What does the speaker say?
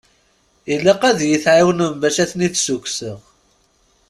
Ilaq ad yi-tɛawnem bac ad ten-id-sukkseɣ.